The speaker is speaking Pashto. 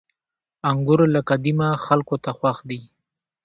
• انګور له قديمه خلکو ته خوښ دي.